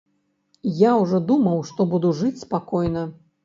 Я ўжо думаў, што буду жыць спакойна.